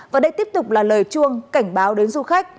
và đây tiếp tục là lời chuông cảnh báo đến du khách